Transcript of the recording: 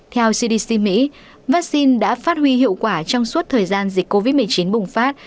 theo cdc mỹ vaccine đã phát huy hiệu quả trong suốt thời gian dịch covid một mươi chín bùng phát